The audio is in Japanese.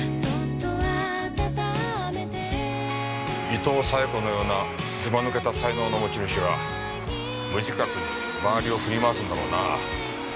伊東冴子のようなずば抜けた才能の持ち主は無自覚に周りを振り回すんだろうな。